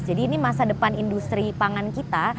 jadi ini masa depan industri pangan kita